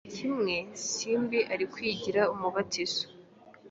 Igihe kimwe Simbi ari kwigira umubatizo